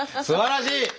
すばらしい！